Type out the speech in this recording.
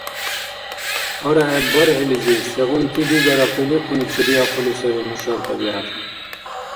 Арагӏеб бархӏилизир сегъунти-дигара къиликъуни чедиахъули сари нушаб тӏабигӏятли.